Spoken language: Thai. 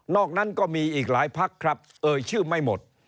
นั้นก็มีอีกหลายพักครับเอ่ยชื่อไม่หมด